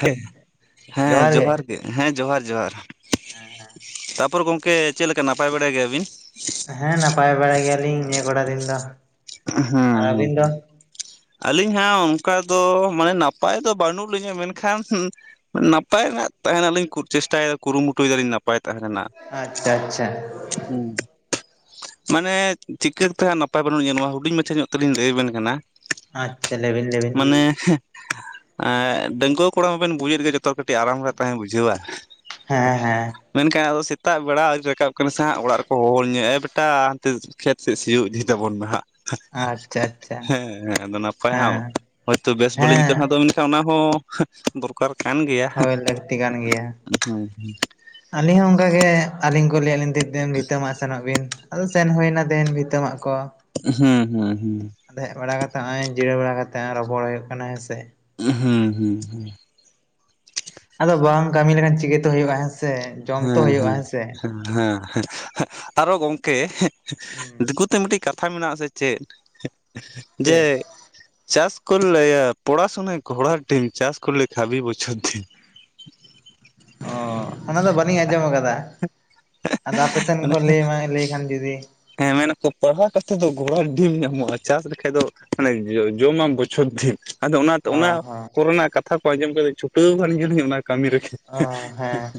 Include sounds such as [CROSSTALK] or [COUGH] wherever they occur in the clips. ᱦᱮᱸ ᱦᱮᱸ ᱡᱚᱦᱟᱨ ᱦᱮᱸ ᱡᱚᱦᱟᱨ ᱡᱚᱦᱟᱨ ᱦᱮᱸ ᱛᱟᱯᱚᱨ ᱜᱚᱢᱠᱮ ᱪᱮᱫ ᱞᱮᱠᱟ ᱱᱟᱯᱟᱭ ᱵᱟᱲᱟᱭ ᱜᱮᱭᱟᱵᱤᱱ ᱦᱮᱸ ᱱᱟᱯᱟᱭ ᱵᱟᱲᱟ ᱜᱮᱭᱟᱞᱤᱧ ᱱᱤᱭᱟᱹ ᱠᱚᱴᱟ ᱫᱤᱱ ᱫᱚ ᱦᱮᱸ ᱟᱨ ᱦᱮᱸ ᱟᱹᱵᱤᱱ ᱫᱚ ᱦᱮᱸ ᱟᱹᱞᱤᱧ ᱦᱟᱜ ᱚᱱᱠᱟ ᱫᱚ ᱢᱟᱱᱮ ᱱᱟᱯᱟᱭ ᱫᱚ ᱵᱟᱹᱱᱩᱜ ᱞᱤᱧᱟᱹ ᱢᱮᱱᱠᱷᱟᱱ ᱱᱟᱯᱟᱭ ᱨᱮᱱᱟᱜ ᱛᱟᱦᱮ ᱱᱟᱞᱤᱧ ᱪᱮᱥᱴᱟᱭᱮᱫᱟ ᱠᱩᱨᱩᱢᱩᱴᱩᱭ ᱫᱟᱞᱤᱧ ᱱᱟᱯᱟᱭ ᱛᱟᱦᱮᱸ ᱞᱮᱱᱟ ᱟᱪᱪᱷᱟ ᱟᱪᱪᱷᱟ ᱦᱩᱸ ᱢᱟᱱᱮ ᱪᱤᱠᱟᱹ ᱠᱟᱛᱮᱜ ᱦᱟᱸᱜ ᱱᱟᱯᱟᱭ ᱵᱟᱹᱱᱩᱜ ᱤᱧᱟ ᱱᱚᱣᱟ ᱦᱩᱰᱤᱧ ᱢᱟᱪᱷᱟ ᱧᱚᱜ ᱛᱮᱞᱤᱧ ᱞᱟᱹᱭ ᱵᱮᱱ ᱠᱟᱱᱟ, ᱟᱪᱪᱷᱟ ᱞᱟᱹᱭᱵᱤᱱ ᱞᱟᱹᱭᱵᱤᱱ ᱢᱟᱱᱮ ᱰᱟᱺᱜᱩᱣᱟᱹ ᱠᱚᱲᱟ ᱢᱟᱵᱮᱱ ᱵᱩᱡᱮᱫ ᱜᱮ ᱡᱚᱛᱚ ᱠᱟᱹᱴᱤᱡ ᱟᱨᱟᱢ ᱨᱮ ᱛᱟᱦᱮᱸ ᱵᱩᱡᱷᱟᱹᱣᱟ ᱦᱮᱸ ᱦᱮᱸ ᱢᱮᱱᱠᱷᱟᱱ ᱟᱫᱚ ᱥᱮᱛᱟᱜ ᱵᱮᱲᱟ ᱟᱹᱨᱟᱠᱟᱵ ᱠᱟᱱᱟ ᱥᱮ ᱦᱟᱜ ᱚᱲᱟᱜ ᱨᱮᱠᱚ ᱦᱚᱦ ᱧᱚᱜ ᱮ ᱵᱮᱴᱟ ᱦᱟᱱᱛᱮ ᱠᱷᱮᱛ ᱥᱮᱫ ᱥᱤᱭᱳᱜ ᱤᱫᱤ ᱛᱟᱵᱚᱱ ᱦᱟᱜ ᱟᱪᱪᱷᱟ ᱟᱪᱪᱷᱟ ᱟᱫᱚ ᱱᱟᱯᱟᱭ ᱦᱟᱸᱜ ᱦᱮᱸ ᱦᱳᱭ ᱛᱚ ᱵᱮᱥ ᱵᱟᱞᱤᱧ ᱦᱮᱸ ᱟᱹᱭᱠᱟᱹᱣ ᱱᱟ ᱟᱫᱚ ᱢᱮᱱᱠᱷᱟᱱ ᱚᱱᱟ ᱦᱚᱸ ᱫᱚᱨᱠᱟᱨ ᱠᱟᱱ ᱜᱮᱭᱟ ᱦᱳᱭ ᱞᱟᱹᱠᱛᱤ ᱠᱟᱱ ᱜᱮᱭᱟ [UNINTELLIGIBLE] ᱟᱹᱞᱤᱧ ᱦᱚᱸ ᱚᱱᱠᱟᱜ ᱜᱮ ᱟᱹᱞᱤᱧ ᱠᱚ ᱞᱟᱹᱭᱟᱜ ᱞᱤᱧ ᱵᱷᱤᱛᱟᱹ ᱢᱟᱜ ᱥᱮᱱᱚᱜ ᱵᱤᱱ ᱟᱫᱚ ᱥᱮᱱ ᱦᱩᱭᱱᱟ ᱫᱤᱱ ᱵᱷᱤᱛᱟᱹᱢᱟᱜ ᱠᱚ ᱦᱩᱸ ᱦᱩᱸ ᱦᱩᱸ ᱟᱫ ᱦᱮᱡ ᱵᱟᱲᱟ ᱠᱟᱛᱮ ᱱᱚᱜᱼᱚᱭ ᱡᱤᱨᱟᱹ ᱵᱟᱲᱟ ᱠᱟᱛᱮᱫ ᱨᱚᱯᱚᱲ ᱦᱩᱭᱩᱜ ᱠᱟᱱᱟᱭ ᱦᱮᱸ ᱥᱮ ᱦᱩᱸ ᱦᱩᱸ ᱦᱩᱸ ᱟᱫᱚ ᱵᱟᱢ ᱠᱟᱹᱢᱤ ᱞᱮᱠᱷᱟᱱ ᱪᱤᱠᱟᱹᱛᱮ ᱦᱩᱭᱩᱜᱼᱟ ᱦᱮᱸ ᱥᱮ ᱡᱚᱢ ᱛᱚ ᱦᱩᱭᱩᱜᱼᱟ ᱦᱮᱸ ᱥᱮ ᱦᱮᱸ ᱦᱮᱸ ᱟᱨᱚ ᱜᱚᱝᱠᱮ ᱦᱩᱸ [UNINTELLIGIBLE] [UNINTELLIGIBLE] ᱢᱤᱫᱴᱤᱡ ᱠᱟᱛᱷᱟ ᱢᱮᱱᱟᱜᱟ ᱥᱮ ᱪᱮᱫ ᱡᱮ ᱪᱮᱫ ᱪᱟᱥ ᱠᱚᱨᱞᱮ ᱯᱚᱲᱟᱥᱩᱱᱟ ᱜᱷᱚᱲᱟ ᱰᱤᱢ ᱪᱟᱥ ᱠᱚᱞᱮ ᱠᱚᱨᱞᱮ ᱵᱚᱪᱷᱚᱨ ᱫᱤᱱ ᱚ ᱚᱱᱟᱫᱚ ᱵᱟᱹᱞᱤᱧ ᱟᱸᱡᱚᱢ ᱟᱠᱟᱫᱟ ᱟᱫᱚ ᱟᱯᱮ ᱥᱮᱱ ᱢᱟᱱᱮ ᱠᱚ ᱞᱟᱹᱭ ᱞᱟᱹᱭ ᱠᱷᱟᱱ ᱡᱩᱫᱤ ᱦᱮᱸ ᱢᱮᱱᱟᱠᱚ ᱯᱟᱲᱦᱟᱣ ᱠᱟᱛᱮ ᱫᱚ ᱜᱚᱲᱟ ᱰᱤᱢ ᱧᱟᱢᱚᱜᱼᱟ ᱪᱟᱥ ᱞᱮᱠᱷᱟᱡ ᱫᱚ ᱢᱟᱱᱮ ᱡᱚᱢᱟᱢ ᱵᱚᱪᱷᱚᱨ ᱫᱤᱱ ᱟᱫᱚ ᱚᱱᱟᱛᱮ ᱚ ᱚᱱᱟ ᱦᱚᱸ ᱠᱚᱨᱮᱱᱟᱜ ᱠᱟᱛᱷᱟ ᱠᱚ ᱟᱸᱡᱚᱢ ᱠᱟᱛᱮ ᱪᱷᱩᱴᱟᱹᱣ [UNINTELLIGIBLE] ᱚᱱᱟ ᱠᱟᱹᱢᱤ ᱨᱮᱜᱮ ᱚ ᱦᱮᱸ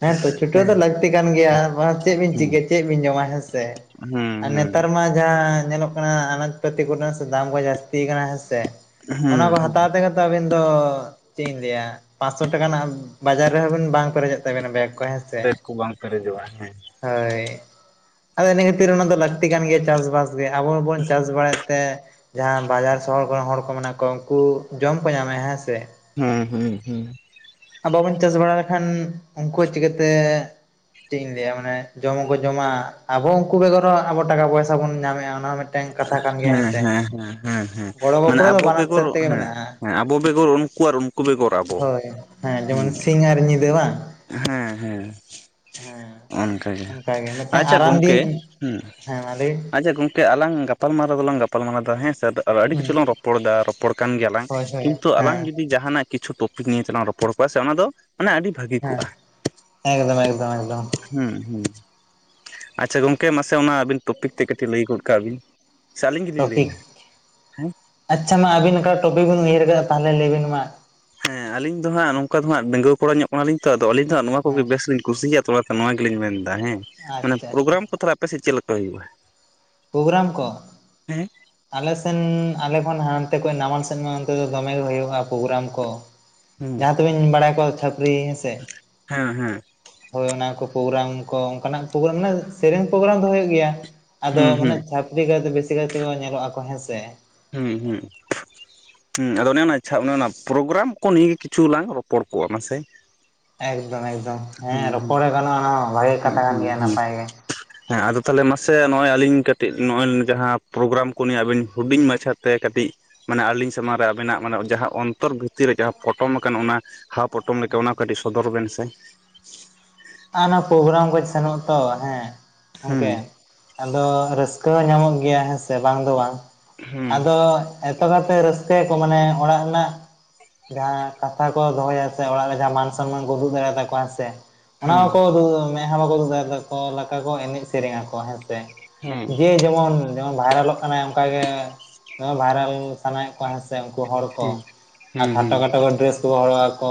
ᱦᱮᱸ ᱛᱚ ᱪᱷᱴᱟᱹᱣ ᱦᱮᱸ ᱫᱚ [UNINTELLIGIBLE] [UNINTELLIGIBLE] ᱠᱟᱱ ᱜᱮᱭᱟ ᱪᱮᱫ ᱵᱤᱱ ᱦᱩᱸ ᱪᱤᱠᱭᱟ ᱪᱮᱫ ᱵᱤᱱ ᱡᱚᱢᱟ ᱦᱮᱸᱥᱮ ᱦᱩᱸ ᱟᱨ ᱦᱩᱸ ᱱᱮᱛᱟᱨ ᱢᱟ ᱡᱟᱦᱟᱸ ᱧᱮᱞᱚᱜ ᱠᱟᱱᱟ ᱟᱱᱟᱡ ᱯᱟᱛᱤ ᱠᱚᱨᱮ ᱥᱮ ᱫᱟᱢ ᱠᱚ ᱡᱟᱹᱥᱛᱤ ᱠᱟᱱᱟ ᱦᱮᱸ ᱥᱮ ᱚᱱᱟ ᱦᱮᱸ ᱠᱚ ᱦᱮᱸ ᱦᱟᱛᱟᱣ ᱛᱮᱜᱮ ᱛᱚ ᱟᱹᱵᱤᱱ ᱫᱚ ᱪᱮᱫ ᱤᱧ ᱞᱟᱹᱭᱟ ᱯᱟᱸᱥᱚ ᱴᱟᱠᱟ ᱨᱮᱱᱟᱜ ᱵᱟᱡᱟᱨ ᱨᱮᱦᱚᱸ ᱵᱤᱱ ᱵᱟᱝ ᱯᱮᱨᱮᱡᱚᱜ ᱛᱟᱵᱮᱱᱟ ᱵᱮᱜ ᱠᱚ ᱦᱮᱸ ᱥᱮ ᱵᱮᱠ ᱠᱚ ᱵᱟᱝ ᱯᱮᱨᱮᱡᱚᱜᱼᱟ ᱦᱮᱸ ᱦᱳᱭ ᱟᱫᱚ ᱤᱱᱟᱹ ᱠᱷᱟᱹᱛᱤᱨ ᱚᱱᱟ ᱫᱚ ᱞᱟᱹᱠᱛᱤ ᱠᱟᱱ ᱜᱮᱭᱟ ᱪᱟᱥ ᱵᱟᱥ ᱜᱮ ᱟᱵᱚ ᱵᱚᱱ ᱪᱟᱥ ᱵᱟᱲᱟᱭᱮᱫ ᱛᱮ ᱡᱟᱦᱟᱸ ᱵᱟᱡᱟᱨ ᱥᱚᱦᱚᱨ ᱠᱚᱨᱮᱱ ᱦᱚᱲ ᱠᱚ ᱢᱮᱱᱟᱜ ᱠᱚᱣᱟ ᱩᱱᱠᱩ ᱡᱚᱢ ᱠᱚ ᱧᱟᱢᱟ ᱦᱮᱸ ᱥᱮ ᱦᱩᱸ ᱦᱩᱸ ᱦᱩᱸ ᱵᱟᱵᱚᱱ ᱪᱟᱥ ᱵᱟᱲᱟ ᱞᱮᱠᱷᱟᱱ ᱩᱱᱠᱩ ᱦᱚᱸ ᱪᱤᱠᱟᱹᱛᱮ ᱪᱮᱫ ᱤᱧ ᱞᱟᱹᱭᱟ ᱢᱟᱱᱮ ᱡᱚᱢ ᱦᱚᱸ ᱠᱚ ᱡᱚᱢᱟ ᱟᱵᱚ ᱩᱱᱠᱩ ᱵᱮᱜᱚᱨ ᱦᱚᱸ ᱟᱵᱚ ᱴᱟᱠᱟ ᱯᱚᱭᱥᱟ ᱵᱚᱱ ᱧᱟᱢᱮᱫᱼᱟ ᱚᱱᱟ ᱢᱤᱫᱮᱱ ᱦᱮᱸ ᱦᱮᱸ ᱦᱮᱸ ᱦᱮᱸ ᱦᱮᱸ ᱜᱚᱲᱚ ᱢᱟᱱᱮ ᱜᱚᱯᱚᱲᱚ ᱫᱚ ᱟᱵᱚ ᱵᱟᱱᱟᱨ ᱵᱮᱜᱚᱨ ᱥᱮᱫ ᱛᱮᱜᱮ ᱦᱮᱸ ᱢᱮᱱᱟᱜᱼᱟ ᱦᱮᱸ ᱟᱵᱚ ᱵᱮᱜᱚᱨ ᱩᱱᱠᱩ ᱠᱚ ᱵᱮᱜᱚᱨᱟᱵᱚ ᱦᱳᱭ ᱦᱮᱸ ᱡᱮᱢᱚᱱ ᱥᱤᱧ ᱟᱨ ᱧᱤᱫᱟᱹ ᱵᱟᱝ ᱦᱮᱸ ᱦᱮᱸ ᱦᱮᱸ ᱚᱱᱠᱟ ᱜᱮ ᱚᱱᱠᱟᱜᱮ ᱢᱤᱫᱴᱟᱝ ᱟᱪᱪᱷᱟ ᱟᱨᱟᱢ ᱜᱚᱝᱠᱮ ᱫᱤᱱ ᱦᱩᱸ ᱦᱮᱸ ᱢᱟ ᱞᱟᱹᱭ ᱵᱤᱱ ᱟᱪᱪᱷᱟ ᱜᱚᱝᱠᱮ ᱟᱞᱟᱝ ᱜᱟᱯᱟᱞᱢᱟᱣ ᱫᱚᱞᱟᱝ ᱜᱟᱯᱟᱞ ᱢᱟᱨᱟᱣᱫᱟ ᱦᱮᱸ ᱥᱮ [UNINTELLIGIBLE] ᱟᱹᱰᱤ ᱦᱩᱸ ᱠᱤᱪᱷᱩ ᱞᱟᱝ ᱨᱚᱯᱚᱲ ᱫᱟ ᱨᱚᱯᱚᱲ ᱠᱟᱱ ᱜᱮᱭᱟᱞᱟᱝ ᱦᱳᱭ ᱦᱳᱭ ᱠᱤᱱᱛᱩ ᱟᱞᱟᱝ ᱦᱮᱸ ᱡᱩᱫᱤ ᱡᱟᱦᱟᱱᱟᱜ ᱠᱤᱪᱷᱩ ᱴᱚᱯᱤᱠ ᱱᱤᱭᱟ ᱪᱟᱞᱟᱝ ᱨᱚᱯᱚᱲ ᱠᱚᱣᱟ ᱥᱮ ᱚᱱᱟ ᱫᱚ ᱢᱟᱱᱮ ᱟᱹᱰᱤ ᱵᱷᱟᱹᱜᱤ, ᱦᱮᱸ ᱠᱚᱜᱼᱟ ᱮᱠᱫᱚᱢ ᱮᱠᱫᱚᱢ ᱮᱠᱫᱚᱢ᱾ ᱦᱩ ᱟᱪᱪᱷᱟ ᱜᱚᱝᱠᱮ ᱢᱟᱥᱮ ᱚᱱᱟ ᱟᱵᱤᱱ ᱴᱚᱯᱤᱠ ᱛᱮ ᱠᱟᱹᱴᱤᱡ ᱞᱟᱹᱭ ᱜᱚᱫ ᱠᱟᱜ ᱵᱤᱱ᱾ ᱥᱮ ᱟᱹᱞᱤᱧ ᱜᱮᱞᱤᱧ ᱴᱚᱯᱤᱠ ᱞᱟᱹᱭᱟ ᱦᱮᱸ ᱟᱪᱪᱷᱟ ᱢᱟ ᱟᱹᱵᱤᱱ ᱚᱠᱟ ᱴᱚᱯᱤᱠ ᱵᱤᱱ ᱩᱭᱦᱟᱹᱨ ᱠᱟᱜᱼᱟ ᱛᱟᱦᱚᱞᱮ ᱞᱟᱹᱭᱵᱤᱱ ᱢᱟ᱾ ᱦᱮᱸ ᱟᱞᱤᱧ ᱫᱚ ᱦᱟᱸᱜ ᱱᱚᱝᱠᱟ ᱫᱚ ᱦᱟᱸᱜ ᱰᱺᱜᱣᱚᱲ ᱧᱚᱜ ᱠᱟᱱᱟᱞᱤᱧ ᱛᱚᱫᱚ ᱟᱞᱤᱧ ᱫᱚ ᱦᱜ ᱱᱚᱣᱟ ᱠᱚᱜᱮ ᱦᱮᱸ ᱵᱮᱥ ᱞᱤ ᱠᱩᱤᱭᱟᱜᱼᱟ, ᱛᱷᱚᱲᱟ ᱱᱚᱣᱟ ᱜᱮᱞᱤᱧ ᱢᱮᱱᱫᱟ ᱦᱮᱸ ᱢᱟᱱᱮ ᱟᱪᱪᱷᱟ ᱟᱪᱪᱷᱟ ᱯᱨᱳᱜᱨᱟᱢ ᱠᱚ ᱛᱟᱦᱚᱞᱮ ᱟᱯᱮ ᱥᱮᱫ ᱪᱮᱫ ᱞᱮᱠᱟ ᱦᱩᱭᱩᱜᱼᱟ? ᱯᱨᱳᱜᱨᱟᱢ ᱠᱚ? ᱦᱮᱸ ᱟᱞᱮ ᱥᱮᱱ ᱟᱞᱮ ᱠᱷᱚᱱ ᱦᱟᱱᱛᱮ ᱠᱷᱚᱱ ᱱᱟᱢᱟᱟᱞ ᱥᱮᱱ ᱢᱟ ᱚᱱᱛᱮ ᱫᱚᱢᱮ ᱦᱩᱭᱩᱜᱼᱟ ᱯᱳᱜᱮᱨᱟᱢ ᱠᱚ᱾ ᱦᱩᱸ ᱡᱟᱦᱟᱸ ᱛᱮᱵᱤᱧ ᱵᱟᱲᱟᱭ ᱠᱚᱣᱟ ᱪᱟᱹᱠᱨᱤ ᱦᱮᱸᱥᱮ? ᱦᱮᱸ ᱦᱮᱸ ᱦᱳᱭ ᱚᱱᱟ ᱠᱚ ᱯᱳᱜᱮᱨᱟᱢ ᱠᱚ ᱚᱱᱠᱟᱱᱟᱜ ᱯᱳᱜᱮᱨᱟᱢ ᱢᱟᱱᱮ ᱥᱮᱨᱮᱧ ᱯᱳᱜᱮᱨᱟᱢ ᱫᱚ ᱦᱩᱭᱩᱜ ᱜᱮᱭᱟ᱾ ᱟᱫᱚ ᱦᱩᱸ ᱩᱱᱟ ᱦᱩᱸ ᱪᱷᱟᱟᱹᱯᱨᱤ ᱠᱟᱭ ᱫᱚ ᱵᱮᱥᱤ ᱠᱟᱭᱛᱮᱜ ᱧᱮᱞᱚᱜᱼᱟ ᱠᱚ ᱦᱮᱸᱥᱮ᱾ ᱦᱩ ᱦᱩ ᱦᱩ ᱟᱫᱚ ᱚᱱᱮ ᱤᱪᱪᱷᱟ ᱚᱱᱮ ᱚᱱᱟ ᱯᱳᱨᱳᱜᱮᱨᱟᱢ ᱠᱚ ᱱᱤᱭᱮ ᱠᱤᱪᱷᱩ ᱞᱟᱝ ᱨᱚᱯᱚᱲ ᱠᱚᱜᱼᱟ ᱢᱟᱥᱮ᱾ ᱮᱠᱫᱚᱢ ᱮᱠᱫᱚᱢ ᱦᱮᱸ ᱦᱩᱸ ᱦᱩᱸ ᱨᱚᱯᱚᱲᱮ ᱜᱟᱱᱚᱜᱼᱟ ᱱᱚᱣᱟ ᱵᱷᱟᱜᱮ ᱦᱩᱸ ᱠᱟᱛᱷᱟ ᱠᱟᱱ ᱦᱩᱸ ᱜᱮᱭᱟ ᱦᱩᱸ ᱱᱟᱯᱟᱭ ᱜᱮ᱾ ᱦᱮᱸ ᱟᱫᱚ ᱛᱟᱦᱚᱞᱮ ᱢᱟᱥᱮ ᱱᱚᱜᱼᱚᱭ ᱟᱹᱞᱤᱧ ᱠᱟᱹᱴᱤᱡ ᱱᱚᱜᱼᱚᱭ ᱡᱟᱦᱟᱸ ᱯᱨᱳᱜᱨᱟᱢ ᱠᱚ ᱱᱤᱭᱟ ᱟᱵᱤᱱ ᱦᱩᱰᱤᱧ ᱢᱟᱪᱷᱟ ᱛᱮ ᱠᱟᱹᱴᱤᱡ ᱢᱟᱱᱮ ᱟᱹᱞᱤᱧ ᱥᱟᱢᱟᱝ ᱨᱮ ᱟᱵᱤᱱᱟᱜ ᱢᱟᱱᱮ ᱡᱟᱦᱟᱸ ᱚᱱᱛᱚᱨ ᱵᱷᱤᱛᱤᱨ ᱨᱮ ᱡᱟᱦᱟᱸ ᱯᱚᱴᱚᱢ ᱟᱠᱟᱱ ᱚᱱᱟ ᱦᱟᱯ ᱯᱚᱴᱚᱢ ᱞᱮᱠᱟ ᱚᱱᱟ ᱠᱚ ᱠᱟᱹᱴᱤᱡ ᱥᱚᱫᱚᱨ ᱵᱮᱱ ᱥᱮ᱾ ᱚᱱᱟ ᱯᱨᱳᱜᱨᱟᱢ ᱠᱚ ᱥᱮᱱᱚᱜᱼᱟ ᱛᱚ ᱦᱮᱸ ᱦᱩᱸ ᱜᱚᱢᱠᱮ, ᱟᱫᱚ ᱨᱟᱹᱥᱠᱟᱹ ᱦᱚᱸ ᱧᱟᱢᱚᱜ ᱜᱮᱭᱟ ᱦᱮᱸᱥᱮ ᱵᱟᱝ ᱫᱚ ᱵᱟᱝ ᱦᱩᱸ ᱟᱫᱚ, ᱮᱛᱳ ᱠᱟᱭᱛᱮ ᱨᱟᱹᱥᱠᱟᱹᱭᱟᱠᱚ ᱢᱟᱱᱮ ᱚᱲᱟᱜ ᱨᱮᱱᱟᱜ ᱡᱟᱦᱟᱸ ᱠᱟᱛᱷᱟ ᱠᱚ ᱫᱚᱦᱚᱭᱟ ᱥᱮ ᱚᱲᱟᱜ ᱨᱮ ᱡᱟᱦᱟᱸ ᱢᱟᱱ ᱥᱚᱱᱢᱟᱱ ᱠᱚ ᱩᱫᱩᱜ ᱫᱟᱲᱮᱭᱟ ᱛᱠᱚᱣᱟ ᱥᱮ, ᱦᱩᱸ ᱚᱱᱟ ᱵᱟᱠᱚ ᱢᱮᱫᱦᱟ ᱵᱟᱠᱚᱩ ᱩᱫᱩᱠ ᱫᱟᱠᱚ ᱞᱮᱠᱟ ᱠᱚ ᱮᱱᱮᱡ ᱥᱮᱨᱮᱧ ᱟᱠᱚ ᱦᱮᱸ, ᱛᱮ ᱦᱮᱸ ᱡᱮ ᱡᱮᱢᱚᱱ ᱡᱮᱢᱚᱱ ᱵᱷᱟᱭᱨᱟᱞᱚᱜ ᱠᱟᱱᱟᱭ ᱚᱱᱠᱟᱜᱮ ᱫᱚᱢᱮ ᱵᱷᱟᱭᱨᱟᱞ ᱥᱟᱱᱟᱭᱮᱫ ᱠᱚᱣᱟ ᱦᱮᱸ ᱥᱮ᱾ ᱥᱮ ᱩᱱᱠᱩ ᱦᱚᱲ ᱠᱚ ᱦᱮᱸ ᱟᱨ ᱦᱮᱸ ᱠᱷᱟᱴᱚ ᱦᱮᱸ ᱠᱷᱟᱴᱚ ᱠᱚ ᱰᱨᱮᱥ ᱠᱚᱠᱚ ᱦᱚᱨᱚᱜ ᱟᱠᱚ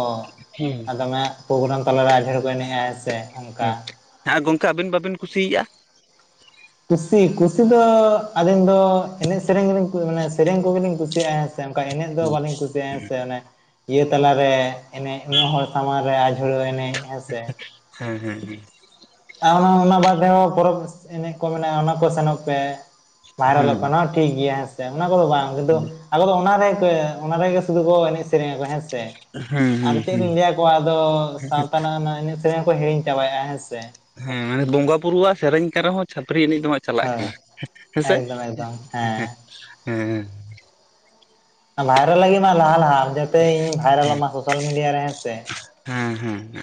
ᱦᱮᱸ ᱟᱨ ᱫᱚᱢᱮ ᱯᱳᱜᱮᱨᱟᱢ ᱛᱟᱞᱟᱨᱮ ᱟᱰᱤᱷᱚᱟᱲ ᱠᱚ ᱮᱱᱮᱡᱼᱟ ᱦᱮᱸ ᱥᱮ ᱚᱱᱠᱟ᱾ ᱦᱮᱸ ᱜᱚᱝᱠᱮ ᱟᱹᱵᱤᱱ ᱵᱟᱹᱵᱤᱱ ᱠᱩᱥᱤᱭᱟᱜᱼᱟ? ᱠᱩᱥᱤ ᱠᱩᱥᱤ ᱫᱚ ᱟᱹᱞᱤᱧ ᱫᱚ ᱮᱱᱮᱡ ᱥᱮᱨᱮᱧ ᱜᱮᱞᱤᱧ ᱢᱟᱱᱮ ᱥᱮᱨᱮᱧ ᱠᱚᱜᱮᱞᱤᱧ ᱠᱩᱥᱤᱭᱟᱜᱼᱟ᱾ ᱥᱮ ᱚᱱᱠᱟ ᱮᱱᱮᱡ ᱫᱚ ᱵᱟᱹᱞᱤᱧ ᱠᱩᱥᱤᱭᱟᱜᱼᱟ ᱥᱮ ᱚᱱᱮ ᱤᱭᱟᱹ ᱛᱟᱞᱟᱨᱮ ᱮᱱᱮᱡ ᱤᱱᱟᱹ ᱦᱚᱲ ᱥᱟᱢᱟᱝ ᱨᱮ ᱟᱡᱷᱲᱟᱹ ᱮᱱᱮᱡ ᱦᱮᱸ ᱥᱮ, ᱦᱮᱸ ᱦᱮᱸ ᱦᱮᱸ ᱟᱨ ᱚᱱᱟ ᱚᱱᱟ ᱵᱟᱫ ᱫᱮᱦᱚᱸ ᱯᱚᱨᱚᱵᱽ ᱮᱱᱮᱡ ᱠᱚ ᱢᱮᱱᱟᱜᱼᱟ ᱚᱱᱟ ᱠᱚ ᱥᱮᱱᱚᱜ ᱯᱮ ᱵᱟᱭᱨᱟᱞᱚᱜ ᱠᱟᱱᱟ ᱦᱮᱸ ᱴᱷᱤᱠ ᱜᱮᱭᱟ ᱦᱮᱸᱥᱮ ᱚᱱᱟ ᱠᱚᱫᱚ ᱵᱟᱝ ᱠᱤᱱᱛᱩ ᱟᱠᱚ ᱫᱚ ᱚᱱᱟ ᱨᱮ ᱚᱱᱟᱨᱮᱜᱮ ᱥᱩᱫᱩ ᱠᱚ ᱮᱱᱮᱡ ᱥᱮᱨᱮᱧᱟᱚ ᱦᱮᱸᱥᱮ, ᱦᱮᱸ ᱟᱨ ᱦᱮᱸ ᱪᱮᱫ ᱦᱮᱸ ᱞᱤᱧ ᱞᱟᱹᱭᱟᱠᱚᱣᱟ ᱟᱫᱚ ᱥᱟᱶᱛᱟ ᱨᱮᱱᱟᱜ ᱚᱱᱟ ᱮᱱᱮᱪ ᱥᱮᱨᱮᱧ ᱠᱚ ᱦᱤᱲᱤᱧ ᱪᱟᱵᱟᱭᱮᱫᱼᱟ ᱠᱚ ᱦᱮᱸ ᱥᱮ, ᱦᱮᱸ ᱢᱟᱱᱮ ᱵᱚᱸᱜᱟ ᱵᱩᱨᱩᱣᱟᱜ ᱥᱮᱨᱮᱧ ᱠᱮ ᱨᱮᱦᱚ ᱪᱷᱟᱹᱯᱨᱤ ᱮᱱᱤᱡ ᱫᱚᱦᱟᱜ ᱪᱟᱞᱟᱜ ᱦᱳᱭ ᱜᱮᱭᱟ ᱦᱮᱸᱥᱮ ᱮᱠᱫᱚᱢ ᱮᱠᱫᱚᱢ ᱦᱮᱸ ᱦᱮᱸ᱾ ᱵᱷᱟᱭᱨᱟᱞ ᱞᱟᱹᱜᱤᱫ ᱢᱟ ᱞᱟᱦᱟ ᱞᱟᱦᱟ ᱡᱟᱛᱮ ᱤᱧ ᱵᱷᱟᱭᱨᱟᱞᱚᱜ ᱢᱟ ᱥᱳᱥᱟᱞ ᱢᱤᱰᱤᱭᱟ ᱨᱮ ᱦᱮᱸ ᱥᱮ᱾ ᱦᱮᱸ ᱦᱮᱸ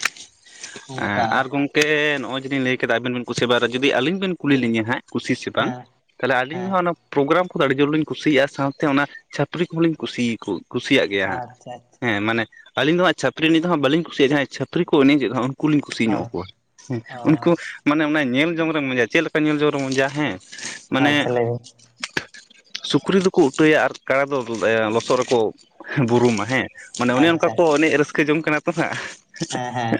ᱮᱸ ᱚᱱᱠᱟ ᱟᱨ ᱜᱚᱝᱠᱮ ᱱᱚᱜᱼᱚᱭ ᱡᱮᱵᱤᱱ ᱞᱟᱹᱭ ᱠᱮᱫᱟ ᱟᱵᱤᱱ ᱵᱤᱱ ᱠᱩᱥᱤ ᱵᱟᱟᱨᱟ ᱡᱩᱫᱤ ᱟᱹᱞᱤᱧ ᱵᱮᱤᱱ ᱠᱩᱞᱤ ᱞᱤᱧᱟᱹ ᱦᱟᱸᱜ, ᱠᱩᱥᱤ ᱥᱮ ᱵᱟᱝ ᱦᱮᱸ ᱛᱟᱦᱚᱞᱮ ᱟᱹᱞᱤᱧ ᱦᱚᱸ ᱦᱮᱸ ᱚᱱᱟ ᱯᱳᱜᱮᱨᱟᱢ ᱠᱚᱫᱚ ᱟᱹᱰᱤ ᱡᱳᱨ ᱞᱞᱤᱧ ᱠᱩᱥᱤᱭᱟᱜᱼᱟ ᱥᱟᱶᱛᱮ ᱚᱱᱟ ᱪᱷᱟᱹᱯᱨᱤ ᱠᱚᱦᱚᱸᱞᱤᱧ ᱠᱩᱥᱤᱭᱟᱠᱚ, ᱠᱩᱥᱤᱭᱟᱜ ᱜᱮᱭᱟ ᱟᱪᱪᱷᱟ ᱟᱪᱪᱷᱟ ᱦᱮᱸᱜ ᱢᱟᱱᱮ ᱟᱹᱞᱤᱧ ᱫᱚ ᱦᱟᱸᱜ ᱪᱟᱹᱛᱨᱤ ᱱᱤᱛ ᱦᱟᱸᱜ ᱵᱞᱤ ᱠᱩᱥᱤᱭᱟᱜᱼᱟ ᱡᱟᱦᱟᱸᱭ ᱪᱟᱹᱨᱤ ᱠᱚ ᱮᱱᱮᱡ ᱮᱫ ᱫᱚ ᱩᱱᱠᱩᱞᱤᱧ ᱠᱩᱥᱤ ᱧᱚᱜ ᱦᱳᱭ ᱟᱠᱚᱣᱟ ᱦᱩ ᱚ ᱩᱱᱠᱩ ᱢᱟᱱᱮ ᱚᱱᱟ ᱧᱮᱞ ᱡᱚᱝ ᱨᱮ ᱢᱚᱡᱟ ᱪᱮᱫ ᱞᱮᱠᱟ ᱧᱮᱞ ᱡᱚᱝ ᱨᱮᱢ ᱢᱩᱚᱡᱟ ᱦᱮᱸ ᱢᱟᱱᱮ, ᱟᱪᱪᱷᱟ ᱞᱟᱹᱭ ᱵᱤᱱ ᱥᱩᱠᱨᱤ ᱫᱚᱠᱚ ᱩᱴᱟᱹᱭᱟ ᱟᱨ ᱠᱟᱲᱟ ᱫᱚ ᱞᱚᱥᱚᱫ ᱨᱮᱠᱚ ᱵᱩᱨᱩᱢᱟ ᱦᱮᱸ, ᱢᱟᱱᱮ ᱚᱱᱮ ᱚᱱᱠᱟ ᱟᱪᱪᱷᱟ ᱠᱚ ᱮᱱᱮᱡ ᱨᱟᱹᱥᱠᱟᱹ ᱡᱚᱝ ᱠᱟᱱᱟ ᱛᱚ ᱦᱟᱸᱜ, ᱦᱮᱸ ᱦᱮᱸ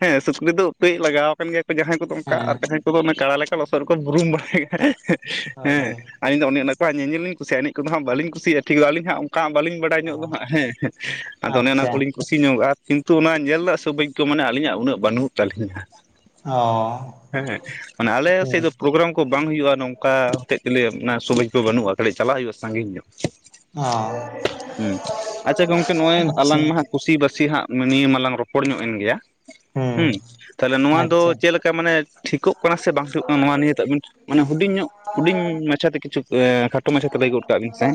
ᱦᱮᱸ ᱥᱩᱠᱨᱤ ᱫᱚ ᱩᱴᱟᱹᱭ ᱞᱟᱜᱟᱣ ᱟᱠᱟᱱ ᱜᱮᱭᱟ ᱠᱚ ᱡᱟᱦᱟᱸᱭ ᱠᱚᱫᱚ ᱚᱱᱠᱟ ᱦᱮᱸ ᱟᱨ ᱡᱟᱦᱟᱸᱭ ᱚᱱᱟ ᱠᱟᱲᱟ ᱞᱮᱠᱟ ᱞᱚᱥᱚᱫ ᱨᱮᱠᱚ ᱵᱩᱨᱩᱢ ᱵᱟᱲᱟᱭ ᱦᱮᱸ ᱦᱳᱭ ᱦᱮᱸ ᱦᱳᱭ ᱟᱞᱤᱧ ᱫᱚ ᱚᱱᱮ ᱚᱱᱟ ᱠᱚ ᱧᱮᱧᱮᱞ ᱞᱤᱧ ᱠᱩᱤᱭᱟᱜ ᱟ ᱤᱱᱮᱡ ᱠᱚᱫᱚ ᱦᱟᱜ ᱵᱟᱞᱤᱧ ᱠᱩᱥᱤᱭᱟᱜᱼᱟ ᱴᱷᱤᱠ ᱫᱚ ᱟᱞᱤᱧ ᱦᱟᱜ ᱚᱱᱠᱟ ᱵᱟᱞᱤᱧ ᱵᱟᱲᱟ ᱵᱟᱭ ᱧᱚᱜ ᱫᱚ ᱚ ᱦᱟᱸᱜ ᱦᱮᱸ ᱟᱫᱚ ᱚᱱᱮ ᱚᱱᱟ ᱟᱪᱪᱷᱟ ᱠᱚᱞᱤᱧ ᱠᱩᱥᱤ ᱧᱚᱜᱟᱜ ᱟ ᱠᱤᱱᱛᱩ ᱚᱱᱟ ᱧᱮᱞ ᱨᱮᱱᱟᱜ ᱥᱮ ᱵᱟᱹᱡ ᱠᱚ ᱢᱟᱱᱮ ᱟᱹᱞᱤᱧᱟᱜ ᱩᱱᱟᱹᱜ ᱵᱟᱹᱱᱩᱜ ᱛᱟᱹᱞᱤᱧᱟ ᱦᱚ ᱦᱮᱸ ᱢᱟᱱᱮ ᱟᱞᱮ ᱥᱮᱫ ᱫᱚ ᱯᱨᱳᱜᱨᱟᱢ ᱠᱚ ᱵᱟᱝ ᱦᱩᱭᱩᱜᱼᱟ ᱱᱚᱝᱠᱟ ᱦᱚᱛᱮᱫ ᱛᱮᱞᱮ ᱚᱱᱟ ᱥᱚᱢᱟᱡᱽ ᱠᱚ ᱵᱟᱹᱱᱩᱜᱼᱟ ᱠᱟᱹᱴᱤᱡ ᱪᱟᱞᱟᱜ ᱦᱩᱭᱩᱜᱼᱟ ᱥᱟᱺᱜᱤᱧ ᱧᱚᱜ ᱚ ᱦᱩᱸ ᱟᱪᱪᱷᱟ ᱜᱚᱝᱠᱮ ᱱᱚᱜᱼᱚᱭ ᱟᱞᱟᱝ ᱟᱪᱪᱷᱟ ᱢᱟ ᱦᱟᱸᱜ ᱠᱩᱥᱤ ᱵᱟᱥᱤ ᱦᱟᱸᱜ ᱱᱤᱭᱟᱹ ᱢᱟᱞᱟᱝ ᱨᱚᱯᱚᱲ ᱧᱚᱜ ᱮᱱ ᱜᱮᱭᱟ ᱦᱩᱸ ᱛᱟᱦᱚᱞᱮ ᱱᱚᱣᱟ ᱫᱚ ᱟᱪᱪᱷᱟ ᱪᱮᱫ ᱞᱮᱠᱟ ᱢᱟᱱᱮ ᱴᱷᱤᱠᱚᱜ ᱠᱟᱱᱟ ᱠᱟᱱᱟ ᱥᱮ ᱵᱟᱝ ᱴᱷᱤᱠᱚᱜ ᱠᱟᱱᱟ ᱱᱚᱣᱟ ᱱᱤᱭᱟᱹᱛᱮ ᱟᱵᱤᱱ ᱦᱩᱰᱤᱧ ᱧᱚᱜ ᱦᱩᱰᱤᱧ ᱢᱟᱪᱷᱟᱛᱮ ᱠᱤᱪᱷᱩ ᱠᱷᱟᱴᱚ ᱢᱟᱪᱷᱟᱛᱮ ᱞᱟᱹᱭ ᱜᱚᱫ ᱠᱟᱜ ᱵᱤᱱ ᱥᱮ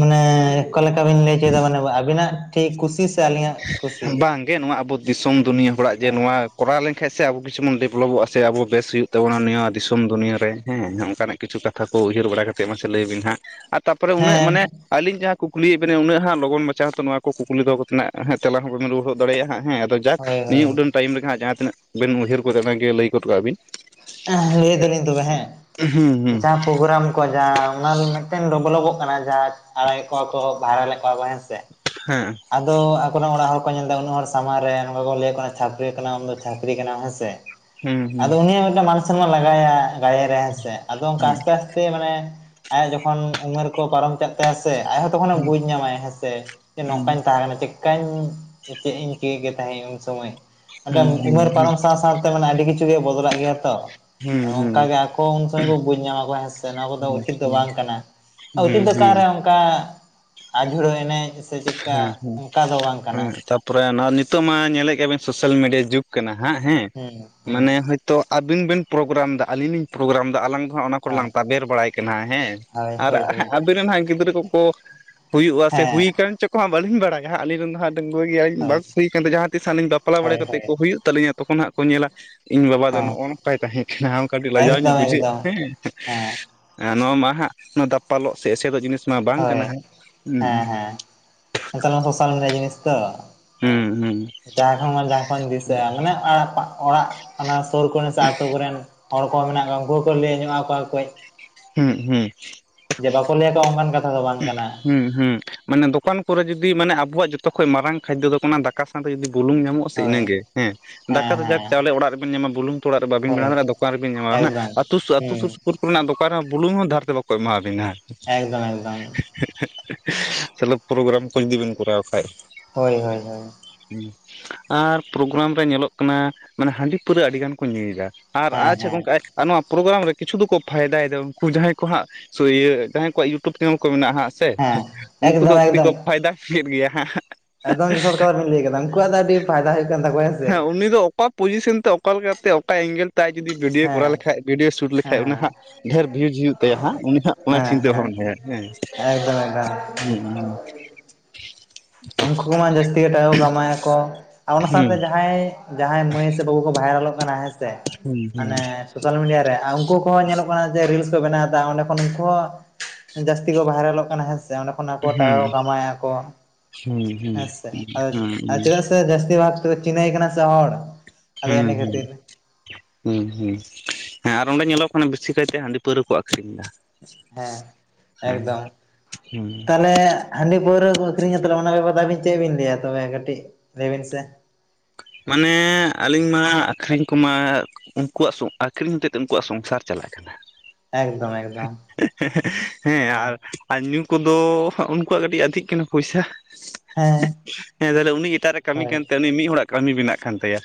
ᱢᱟᱱᱮ ᱚᱠᱟᱮᱠᱟ ᱵᱤᱱ ᱞᱟᱹᱭ ᱪᱚᱭᱮᱫᱟ ᱢᱟᱱᱮ ᱟᱵᱤᱱᱟᱜ ᱴᱷᱤᱠ ᱠᱩᱥᱤ ᱥᱮ ᱟᱹᱞᱤᱧᱟᱜ ᱠᱩᱥᱤ ᱵᱟᱝᱜᱮ ᱱᱚᱣᱟ ᱟᱵᱚ ᱫᱤᱥᱚᱢ ᱫᱩᱱᱤᱭᱟᱹ ᱦᱚᱲᱟᱜ ᱡᱮ ᱚ ᱱᱚᱣᱟ ᱠᱚᱨᱟᱣ ᱞᱮᱱᱠᱟᱱᱡ ᱥᱮ ᱟᱵᱚ ᱠᱤᱪᱷᱩ ᱵᱚᱱ ᱰᱮᱵᱷᱞᱚᱯᱚᱜᱼᱟ ᱥᱮ ᱟᱵᱚ ᱵᱮᱥ ᱦᱩᱭᱩᱜ ᱛᱟᱵᱚᱱᱟ ᱱᱚᱣᱟ ᱫᱤᱥᱚᱢ ᱫᱩᱱᱭᱟᱹ ᱨᱮ ᱦᱮᱸ ᱚᱱᱠᱟᱱᱟᱜ ᱠᱤᱪᱷᱩ ᱠᱟᱛᱷᱟ ᱠᱚ ᱩᱭᱦᱟᱹᱨ ᱵᱟᱲᱟ ᱠᱟᱛᱮᱫ ᱢᱟᱥᱮ ᱞᱟᱹᱭ ᱵᱤᱱ ᱦᱟᱸᱜ ᱛᱟᱯᱚᱨᱮ ᱩᱱᱟᱹᱜ ᱦᱮᱸ ᱢᱟᱱᱮ ᱟᱹᱞᱤᱧ ᱡᱟᱦᱟᱸ ᱠᱩᱠᱤᱭᱮᱫ ᱵᱤᱱᱟ ᱩᱱᱟᱹᱜ ᱦᱟᱸᱜ ᱞᱚᱜᱚᱱ ᱢᱟᱪᱷᱟ ᱦᱚᱛᱚ ᱱᱚᱣᱟ ᱠᱚ ᱠᱩᱠᱞᱤ ᱫᱚᱦᱱᱟᱜ ᱦᱮᱸ ᱛᱮᱞᱟ ᱦᱚᱸ ᱵᱟᱵᱤᱱ ᱨᱩᱣᱟᱹᱲ ᱫᱟᱲᱮᱭᱟᱜ ᱟ ᱦᱟᱸᱜ ᱦᱮᱸ ᱟᱫᱚ ᱡᱟᱠ ᱦᱳᱭ ᱱᱤᱭᱟᱹ ᱦᱳᱭ ᱩᱰᱟᱹᱱ ᱴᱟᱭᱤᱢ ᱨᱮᱜᱮ ᱦᱟᱸᱜ ᱡᱟᱦᱟᱸ ᱛᱤᱱᱟᱹᱜ ᱵᱤᱱ ᱩᱭᱦᱟᱹᱨ ᱜᱚᱫᱟ ᱚᱱᱟᱜᱮ ᱞᱟᱹᱭ ᱜᱚᱫ ᱠᱟᱜᱼᱵᱤᱱ ᱞᱟᱹᱭ ᱫᱟᱞᱤᱧ ᱛᱚᱵᱮ ᱦᱮᱸ ᱦᱩᱸ ᱦᱩᱸ ᱡᱟᱦᱟᱸ ᱯᱨᱳᱜᱨᱟᱢ ᱚᱱᱟ ᱢᱤᱫᱴᱮᱱ ᱰᱮᱵᱷᱞᱚᱯᱚᱜ ᱠᱟᱱᱟ ᱡᱟᱸᱦᱟ ᱟᱲᱟᱜᱮᱫ ᱠᱚᱣᱟ ᱠᱚ ᱵᱟᱭᱨᱚᱞ ᱮᱫ ᱠᱚᱣᱟ ᱠᱚ ᱦᱮᱸᱥᱮ ᱦᱮᱸ ᱟᱫᱚ ᱟᱠᱚᱨᱮᱱ ᱚᱲᱟᱜ ᱦᱚᱲ ᱠᱚ ᱧᱮᱞ ᱮᱫᱟ ᱩᱱᱟᱹᱜ ᱦᱚᱲ ᱥᱟᱢᱟᱝ ᱨᱮ ᱱᱚᱝᱠᱟ ᱠᱚ ᱞᱟᱹᱭ ᱠᱟᱱᱟ ᱪᱷᱟᱯᱨᱤ ᱠᱟᱱᱟ ᱟᱢᱫᱚ ᱪᱷᱟᱯᱨᱤ ᱠᱟᱱᱟᱢ ᱦᱮᱸ ᱥᱮ ᱦᱮᱸ ᱦᱩᱸ ᱦᱩᱸ ᱦᱩᱸ ᱦᱩᱸ ᱦᱩᱸ ᱦᱩᱸ ᱦᱩᱸ ᱦᱩᱸ ᱦᱩᱸ ᱟᱫᱚ ᱦᱩᱸ ᱩᱱᱤᱭᱟᱜ ᱢᱤᱫᱴᱟᱱ ᱢᱟᱱ ᱥᱚᱢᱟᱱ ᱞᱟᱜᱟᱭᱟ ᱜᱟᱭᱮ ᱨᱮ ᱦᱮᱸᱥᱮ ᱟᱫᱚ ᱚᱱᱠᱟ ᱟᱥᱛᱮ ᱟᱥᱛᱮ ᱢᱟᱱᱮ ᱟᱭᱟᱜ ᱡᱚᱠᱷᱚᱱ ᱩᱢᱮᱨ ᱠᱚ ᱯᱟᱨᱚᱢ ᱦᱮᱸᱥᱮ ᱟᱡᱦᱚᱸ ᱛᱚᱠᱷᱚᱱᱮ ᱵᱩᱡᱽ ᱧᱟᱢᱟᱭ ᱦᱮᱸ ᱥᱮ ᱱᱚᱝᱠᱟᱧ ᱛᱟᱦᱮᱸᱞᱮᱱᱟ ᱪᱮᱫ ᱠᱟᱧ ᱪᱮᱫ ᱤᱧ ᱪᱤᱠᱟᱹᱭ ᱜᱮ ᱛᱟᱦᱮᱸᱫ ᱩᱱ ᱥᱚᱢᱚᱭ ᱚᱸᱰᱮ ᱦᱩᱸ ᱦᱩᱸ ᱩᱢᱮᱨ ᱯᱟᱨᱚᱢ ᱥᱟᱶ ᱥᱟᱶᱛᱮ ᱢᱟᱱᱮ ᱟᱹᱰᱤ ᱠᱤᱪᱷᱩ ᱜᱮ ᱵᱚᱫᱚᱞᱚᱜ ᱜᱮᱭᱟ ᱛᱚ ᱫᱚ ᱚᱱᱠᱟ ᱜᱮ ᱟᱠᱚ ᱩᱱ ᱥᱚᱢᱚᱭ ᱠᱚ ᱵᱩᱡᱽ ᱧᱟᱢᱟ ᱠᱚ ᱦᱮᱸ ᱥᱮ ᱱᱚᱣᱟ ᱠᱚᱫᱚ ᱩᱪᱤᱛ ᱫᱚ ᱵᱟᱝ ᱠᱟᱱᱟ ᱦᱮᱸ ᱩᱪᱤᱛ ᱫᱚ ᱦᱩᱸ ᱚᱠᱟᱨᱮ ᱚᱱᱠᱟ ᱟᱡᱷᱩᱲᱟᱹ ᱮᱱᱮᱡ ᱥᱮ ᱪᱮᱫᱠᱟ ᱚᱱᱠᱟ ᱫᱚ ᱵᱟᱝ ᱠᱟᱱᱟ ᱛᱯᱚᱨᱮ ᱚᱱᱟ ᱱᱤᱛᱚᱜ ᱢᱟ ᱧᱮᱞᱮᱫ ᱜᱮᱭᱟᱵᱮᱱ ᱥᱳᱥᱟᱞ ᱢᱤᱰᱤᱭᱟ ᱡᱩᱜᱽ ᱠᱟᱱᱟ ᱦᱟᱸᱜ ᱦᱮᱸ ᱦᱩᱸ ᱦᱩᱸ ᱢᱟᱱᱮ ᱛᱚ ᱟᱵᱤᱱ ᱵᱮᱱ ᱯᱨᱳᱜᱨᱟᱢ ᱮᱫᱟ ᱟᱞᱤᱧ ᱞᱤᱧ ᱯᱨᱳᱜᱨᱟᱢ ᱮᱫᱟ ᱟᱞᱟᱝ ᱫᱚ ᱚᱱᱟ ᱦᱳᱭ ᱠᱚᱨᱮᱞᱟᱝ ᱛᱟᱵᱮᱨ ᱵᱟᱲᱟᱭ ᱠᱟᱱᱟ ᱦᱮᱸ ᱦᱳᱭ ᱟᱨ ᱦᱳᱭ ᱦᱳᱭ ᱟᱵᱮᱱ ᱨᱮᱱ ᱦᱟᱸᱜ ᱜᱤᱫᱽᱨᱟᱹ ᱠᱚᱠᱚ ᱦᱩᱭᱩᱜᱼᱟ ᱥᱮ ᱦᱮᱸ ᱦᱩᱭ ᱟᱠᱟᱱ ᱠᱚᱦᱟᱸᱜ ᱵᱟᱹᱞᱤᱧ ᱵᱟᱲᱟᱭᱟ ᱟᱹᱞᱤᱧ ᱨᱮᱱ ᱫᱚ ᱦᱟᱸᱜ ᱰᱟᱺᱜᱣᱟᱹ ᱜᱮᱭᱟᱞᱤᱧ ᱦᱳᱭ ᱵᱚᱭᱮᱥ ᱦᱩᱭᱮᱱ ᱡᱟᱦᱟᱸ ᱛᱤᱥ ᱦᱟᱸᱜ ᱞᱤᱧ ᱵᱟᱯᱞᱟ ᱵᱟᱲᱟ ᱦᱳᱭ ᱠᱟᱛᱮᱫ ᱦᱳᱭ ᱠᱚ ᱦᱩᱭᱩᱜ ᱛᱟᱹᱞᱤᱧᱟ ᱛᱚᱠᱷᱚᱱ ᱦᱟᱸᱜ ᱠᱚ ᱧᱮᱞᱟ ᱤᱧ ᱵᱟᱵᱟ ᱫᱚ ᱦᱮᱸ ᱱᱚᱜᱼᱚ ᱱᱟᱝᱠᱟᱭ ᱛᱟᱦᱮᱸ ᱠᱟᱱᱟ ᱠᱟᱹᱴᱤᱡ ᱞᱟᱡᱟᱣ ᱮᱠᱫᱚᱢ ᱧᱚᱜ ᱵᱩᱡᱷᱟᱹᱜᱼᱟ ᱮᱠᱫᱚᱢ ᱦᱮᱸ ᱦᱮᱸ ᱱᱚᱣᱟ ᱢᱟ ᱦᱟᱸᱜ ᱱᱚᱣᱟ ᱫᱟᱯᱟᱞᱚᱜ ᱥᱮ ᱮᱥᱮᱫᱚᱜ ᱡᱤᱱᱤᱥ ᱢᱟ ᱵᱟᱝ ᱦᱳᱭ ᱠᱟᱱᱟ ᱦᱟᱸᱜ ᱦᱮᱸ ᱦᱮᱸ ᱱᱮᱛᱟᱨ ᱢᱟ ᱥᱚᱥᱟᱞ ᱢᱤᱰᱤᱭᱟ ᱡᱤᱱᱤᱥ ᱛᱚ ᱦᱩᱸ ᱦᱩᱸ ᱡᱟᱦᱟᱸᱠᱷᱚᱱ ᱢᱟ ᱡᱟᱦᱟᱸ ᱠᱷᱚᱱ ᱫᱤᱥᱟᱹᱜᱼᱟ ᱢᱟᱱᱮ ᱚᱲᱟᱜ ᱚᱱᱟ ᱥᱩᱨ ᱠᱚᱨᱮ ᱥᱮ ᱟᱹᱛᱩ ᱠᱚᱨᱮᱱ ᱦᱚᱲ ᱠᱚ ᱢᱮᱱᱟᱜ ᱠᱚᱣᱟ ᱩᱱᱠᱩ ᱦᱚᱸᱠᱚ ᱞᱟᱹᱭ ᱧᱚᱜ ᱟᱠᱚᱣᱟ ᱠᱟᱹᱡ ᱦᱩᱸ ᱦᱩᱸ ᱡ ᱵᱟᱠᱚ ᱞᱟᱹᱭᱟᱠᱚᱣᱟ ᱚᱱᱠᱟᱱ ᱠᱟ ᱦᱩᱸ ᱦᱩᱸ ᱢᱟᱱᱮ ᱫᱚᱠᱟᱱ ᱠᱚᱨᱮ ᱡᱩᱫᱤ ᱢᱟᱱᱮ ᱟᱵᱚᱣᱟᱜ ᱡᱚᱛᱚ ᱠᱷᱚᱡ ᱢᱟᱨᱟᱝ ᱠᱷᱟᱡᱫᱚ ᱫᱚ ᱠᱟᱱᱟ ᱫᱟᱠᱟ ᱥᱟᱶᱛᱮ ᱡᱩᱫᱤ ᱵᱩᱞᱩᱝ ᱧᱟᱢᱚᱜᱼᱟ ᱥᱮ ᱦᱳᱭ ᱤᱱᱟᱹᱜᱮ ᱦᱮᱸ ᱦᱮᱸ ᱫᱟᱠᱟ ᱫᱚ ᱡᱟᱠ ᱦᱮᱸ ᱪᱟᱣᱞᱮ ᱚᱲᱟᱜ ᱨᱮᱵᱤᱱ ᱧᱟᱢᱟ ᱵᱩᱞᱩᱝ ᱛᱚ ᱚᱲᱟᱜ ᱨᱮ ᱵᱟᱵᱤᱱ ᱦᱳᱭ ᱵᱮᱱᱟᱣ ᱫᱟᱲᱮᱭᱟᱜᱼᱟ ᱫᱚᱠᱟᱱ ᱨᱮᱵᱮᱱ ᱧᱟᱢᱟ ᱦᱟᱱᱟ ᱮᱠᱫᱚᱢ ᱟᱹᱛᱩ ᱦᱩᱸ ᱥᱩᱨ ᱥᱩᱯᱩᱨ [UNINTELLIGIBLE] ᱨᱮᱱᱟᱜ ᱫᱚᱠᱟᱱ ᱨᱮᱦᱚᱸ ᱵᱩᱞᱩᱝ ᱦᱚᱸ ᱫᱷᱟᱨᱛᱮ ᱵᱟᱠᱚ ᱮᱢᱟᱣᱟᱵᱤᱱᱟ ᱮᱠᱫᱚᱢ ᱮᱠᱫᱚᱢ ᱛᱟᱦᱚᱞᱮ ᱯᱨᱳᱜᱨᱟᱢ ᱠᱚ ᱡᱩᱫᱤ ᱵᱮᱱ ᱠᱚᱨᱟᱣ ᱠᱷᱟᱱᱡ ᱦᱳᱭ ᱦᱳᱭ ᱦᱳᱭ ᱦᱩᱸ ᱟᱨ ᱯᱷᱳᱜᱜᱨᱟᱢ ᱨᱮ ᱧᱮᱞᱚᱜ ᱠᱟᱱᱟ ᱢᱟᱱᱮ ᱦᱟᱺᱰᱤ ᱯᱟᱹᱣᱨᱟᱹ ᱟᱹᱰᱤ ᱜᱟᱱ ᱠᱚ ᱧᱩᱭᱮᱫᱟ ᱟᱨ ᱦᱮᱸ ᱟᱪᱪᱷᱟ ᱦᱮᱸ ᱜᱚᱝᱠᱮ ᱟᱨ ᱱᱚᱣᱟ ᱯᱨᱳᱜᱨᱟᱢ ᱨᱮ ᱠᱤᱪᱷᱩ ᱫᱚᱠᱚ ᱯᱷᱟᱭᱫᱟᱭᱮᱫᱟ ᱩᱱᱠᱩ ᱡᱟᱦᱟᱸᱭ ᱠᱚ ᱦᱟᱸᱜ ᱤᱭᱟᱹ ᱡᱟᱦᱟᱸᱭ ᱠᱚᱣᱟᱜ ᱤᱭᱩᱴᱩᱵᱽ ᱪᱮᱱᱮᱞ ᱠᱚ ᱢᱮᱱᱟᱜᱼᱟ ᱦᱟᱸᱜ ᱦᱮᱸ ᱥᱮ ᱩᱱᱠᱩ ᱫᱚ ᱠᱟᱹᱴᱤᱡ ᱠᱚ ᱯᱷᱟᱭᱫᱟ ᱠᱮᱫ ᱜᱮᱭᱟ ᱦᱟᱸᱜ ᱮᱫᱚᱢ ᱡᱚᱛᱷᱟᱨᱤᱱ ᱞᱟᱹᱭ ᱠᱮᱫᱫᱟ ᱩᱱᱠᱩᱣᱟᱜ ᱫᱚ ᱟᱹᱰᱤ ᱯᱷᱟᱭᱫᱟ ᱦᱩᱭᱩᱜ ᱠᱟᱱ ᱛᱟᱠᱚᱣᱟ ᱥᱮ ᱦᱮᱸ ᱩᱱᱤ ᱫᱚ ᱚᱠᱟ ᱯᱚᱡᱤᱥᱚᱱ ᱛᱮ ᱚᱠᱟ ᱞᱮᱠᱟᱛᱮ ᱚᱠᱟ ᱮᱝᱜᱮᱞ ᱛᱟᱭ ᱡᱩᱫᱤ ᱵᱷᱤᱰᱭᱳ ᱠᱚᱨᱟᱣ ᱦᱮᱸ ᱞᱮᱠᱷᱷᱟᱟᱱ ᱵᱷᱤᱰᱭᱳ ᱥᱩᱴ ᱞᱮᱠᱷᱟᱡ ᱚᱱᱟ ᱦᱮᱸ ᱦᱟᱸᱜ ᱰᱷᱮᱨ ᱵᱷᱤᱭᱩᱡ ᱦᱩᱭᱩᱜ ᱛᱟᱭᱟ ᱦᱟᱸᱜ ᱩᱱᱤ ᱦᱟᱸᱜ ᱚᱱᱟ ᱦᱮᱸ ᱪᱤᱱᱛᱟᱹ ᱦᱮᱸ ᱵᱷᱟᱵᱱᱟᱭᱟ ᱦᱮᱸ ᱮᱠᱫᱚᱢ ᱮᱠᱫᱚᱢ ᱦᱩᱸ ᱩᱱᱠᱩ ᱠᱚᱢᱟ ᱡᱟᱹᱥᱛᱤ ᱜᱮ ᱴᱟᱠᱟ ᱠᱟᱢᱟᱭᱟᱠᱚ ᱟᱨ ᱚᱱᱟ ᱥᱟᱶᱛᱮ ᱦᱩᱸ ᱡᱟᱦᱟᱸᱭ ᱡᱟᱦᱟᱸᱭ ᱢᱟᱹᱭ ᱥᱮ ᱵᱟᱹᱵᱩ ᱠᱚ ᱵᱷᱟᱭᱨᱟᱞᱚᱜ ᱠᱟᱱᱟ ᱦᱮᱸᱥᱮ ᱦᱩᱸ ᱢᱟᱱᱮ ᱥᱳᱥᱟᱞ ᱢᱤᱰᱤᱭᱟ ᱨᱮ ᱩᱱᱠᱩ ᱠᱚᱦᱚᱸ ᱧᱮᱞᱚᱜ ᱠᱟᱱᱟ ᱡᱮ ᱨᱤᱞᱥ ᱠᱚ ᱵᱮᱱᱟᱣ ᱫᱟ ᱚᱸᱰᱮ ᱠᱷᱚᱱ ᱩᱱᱠᱩ ᱦᱚᱸ ᱡᱟᱹᱥᱛᱤ ᱠᱚ ᱵᱷᱟᱭᱨᱟᱞᱚᱜ ᱠᱟᱱᱟ ᱦᱮᱸᱥᱮ ᱚᱸᱰᱮ ᱠᱷᱚᱱ ᱟᱠᱚ ᱦᱩᱸ ᱴᱟᱠᱟ ᱠᱚ ᱠᱟᱢᱟᱣ ᱟᱠ ᱠᱚ ᱦᱩᱸ ᱦᱩᱸ ᱦᱮᱸ ᱥᱮ ᱦᱩᱸ ᱟᱫᱚ ᱪᱮᱫᱟᱜ ᱥᱮ ᱡᱟᱹᱥᱛᱤ ᱵᱷᱟᱜ ᱛᱮᱠᱚ ᱪᱤᱱᱟᱹᱭ ᱠᱟᱱᱟ ᱥᱮ ᱦᱚᱲ ᱟᱫᱚ ᱦᱩᱸ ᱤᱱᱟᱹ ᱠᱷᱟᱹᱛᱤᱨ ᱦᱩᱸ ᱦᱩᱸ ᱦᱮᱸ ᱟᱨ ᱚᱸᱰᱮ ᱧᱮᱞᱚᱜ ᱠᱟᱱᱟ ᱵᱮᱥᱤ ᱠᱟᱭᱛᱮ ᱦᱟᱺᱰᱤ ᱯᱟᱹᱣᱨᱟᱹ ᱠᱚ ᱟᱠᱷᱨᱤᱧ ᱫᱟ ᱦᱮᱸ ᱮᱠᱫᱚᱢ ᱦᱩᱸ ᱛᱟᱦᱚᱞᱮ ᱦᱟᱺᱰᱤ ᱯᱟᱹᱣᱨᱟᱹ ᱠᱚ ᱟᱹᱠᱷᱨᱤᱧᱟ ᱛᱟᱞᱮ ᱚᱱᱟ ᱵᱟᱯᱚᱫ ᱟᱹᱵᱤᱱ ᱪᱮᱫ ᱵᱤᱱ ᱞᱟᱹᱭᱟ ᱛᱚᱵᱮ ᱠᱟᱹᱴᱤᱡ ᱞᱟᱹᱭ ᱵᱤᱱ ᱥᱮ ᱢᱟᱱᱮ ᱟᱹᱞᱤᱧ ᱢᱟ ᱟᱠᱷᱨᱤᱧ ᱠᱚᱢᱟ ᱩᱱᱠᱩᱣᱟᱜ ᱟᱠᱷᱨᱤᱧ ᱛᱮ ᱫᱚ ᱩᱱᱠᱩᱣᱟᱜ ᱥᱚᱝᱥᱟᱨ ᱪᱟᱞᱟᱜ ᱠᱟᱱᱟ ᱮᱠᱫᱚᱢ ᱮᱠᱫᱚᱢ ᱦᱮᱸ ᱟᱨ ᱟᱨ ᱧᱩ ᱠᱚᱫᱚ ᱩᱱᱠᱩᱣᱟᱜ ᱠᱟᱹᱴᱤᱡ ᱟᱹᱫᱷᱤᱜ ᱠᱟᱱᱟ ᱯᱚᱭᱥᱟ ᱦᱮᱸ ᱦᱮᱸ ᱛᱟᱦᱚᱞᱮ ᱩᱱᱤ ᱮᱴᱟᱜ ᱨᱮ ᱠᱟᱹᱢᱤ ᱦᱳᱭ ᱠᱟᱱ ᱛᱟᱭᱟ ᱩᱱᱤ ᱢᱤᱫ ᱦᱚᱲᱟᱜ ᱠᱟᱹᱢᱤ ᱵᱮᱱᱟᱜ ᱠᱟᱱ ᱛᱟᱭᱟ